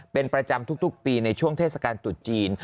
เป็นประจำทุกปีในช่วงเทศกาลตรุษจีน